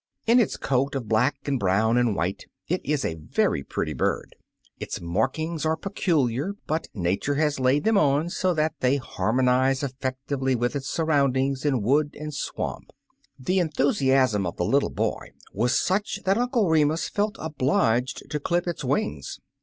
In its coat of black and brown and white, it is a very pretty bird. Its maiidngs are peculiar, but nature has laid them on so that they harmonize effectively with its sur roundings in wood and swamp. The en 129 Uncle Remus Returns thusiasm of the little boy was such that Uncle Remus felt obliged to clip its wings.